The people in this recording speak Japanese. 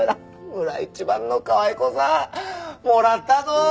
村一番のかわい子さんもらったど！